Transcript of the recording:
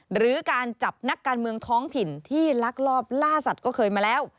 หรือการจับนักการเมืองท้องถิ่นที่ลักลอบล่าสัตว์ก็เคยมาแล้ว